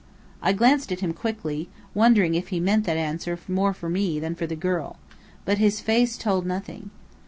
I glanced at him quickly, wondering if he meant that answer more for me than for the girl. But his face told nothing.